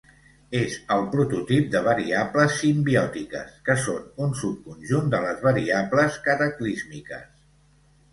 És el prototip de variables simbiòtiques, que són un subconjunt de les variables cataclísmiques.